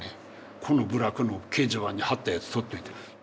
この部落の掲示板に貼ったやつ取っといて。